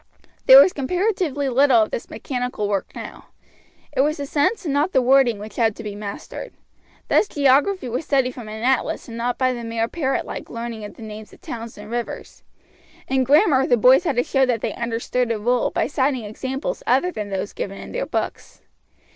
There was comparatively little of this mechanical work now; it was the sense and not the wording which had to be mastered. Thus geography was studied from an atlas and not by the mere parrot like learning of the names of towns and rivers. In grammar the boys had to show that they understood a rule by citing examples other than those given in their books.